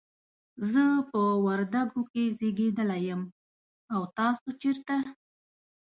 زه په وردګو کې زیږیدلی یم، او تاسو چیرته؟